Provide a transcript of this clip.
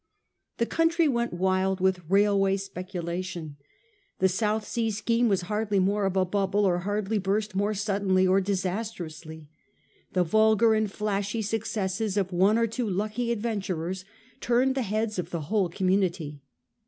The country went wild with railway speculation. The South Sea scheme was hardly more of a bubble or hardly burst more suddenly or disastrously. The vulgar and flashy successes of one or two lucky adventurers turned the heads of the whole community.